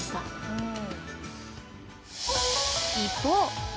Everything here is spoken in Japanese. うん。